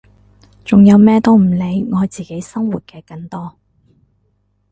仲有咩都唔理愛自己生活嘅更多！